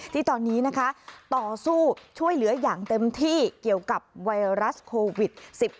ที่ตอนนี้นะคะต่อสู้ช่วยเหลืออย่างเต็มที่เกี่ยวกับไวรัสโควิด๑๙